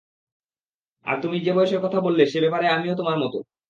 আর তুমি যে বয়সের কথা বললে, সে ব্যাপারে আমিও তোমার মত।